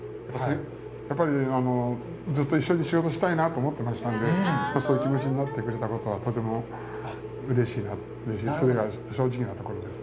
やっぱり、ずっと一緒に仕事したいなと思っていましたので、そういう気持ちになってくれたことは、とてもうれしくて、それが正直なところです。